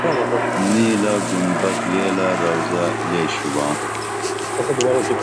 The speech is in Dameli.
نیلہ گنبد ویلہ روضہ لے شُباں